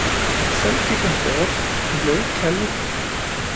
selv gik han bort, han blev ikke kaldet!